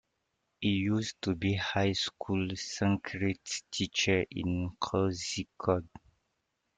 He used to be high school Sanskrit teacher in Kozhikode.